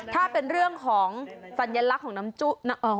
ถ้าเป็นเรื่องของสัญลักษณ์ของน้ำจุนะ